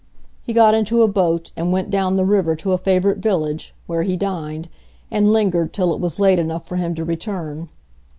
He got into a boat, and went down the river to a favourite village, where he dined, and lingered till it was late enough for him to return.